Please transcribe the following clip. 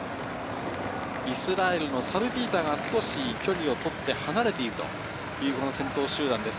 イスラエルのサルピーターが少し距離をとって、離れているという先頭集団です。